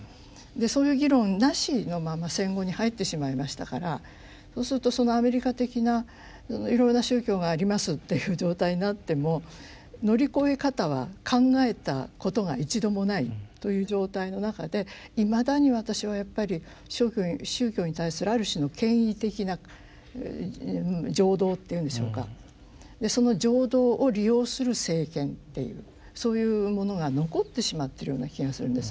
そういう議論なしのまま戦後に入ってしまいましたからそうするとアメリカ的ないろんな宗教がありますっていう状態になっても乗り越え方は考えたことが一度もないという状態の中でいまだに私はやっぱり宗教に対するある種の権威的な情動っていうんでしょうかその情動を利用する政権っていうそういうものが残ってしまってるような気がするんです。